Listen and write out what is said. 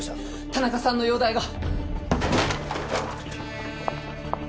田中さんの容体が。